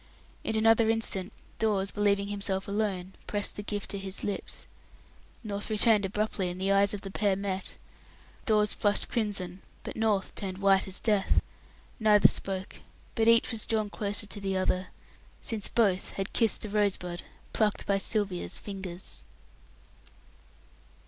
In another instant Dawes, believing himself alone, pressed the gift to his lips. North returned abruptly, and the eyes of the pair met. Dawes flushed crimson, but North turned white as death. Neither spoke, but each was drawn close to the other, since both had kissed the rosebud plucked by Sylvia's fingers.